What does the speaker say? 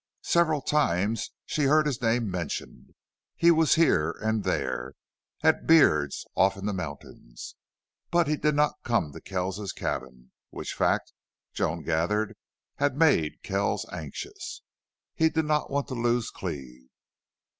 Several times she heard his name mentioned. He was here and there at Beard's off in the mountains. But he did not come to Kells's cabin, which fact, Joan gathered, had made Kells anxious. He did not want to lose Cleve.